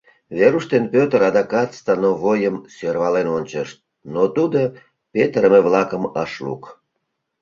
Веруш ден Петр адакат становойым сӧрвален ончышт, но тудо петырыме-влакым ыш лук.